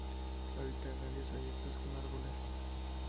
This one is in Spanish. Habita en áreas abiertas con árboles.